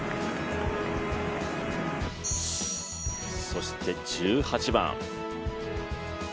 そして１８番。